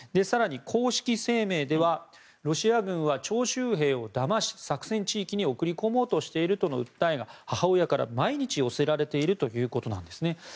更に、公式声明ではロシア軍は徴集兵をだまし作戦地域に送り込もうとしているとの訴えが母親から毎日寄せられているということなんですね。